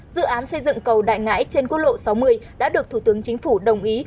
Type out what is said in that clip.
dự án xây dựng cầu đại ngãi trên quốc lộ sáu mươi đã được thủ tướng chính phủ đồng ý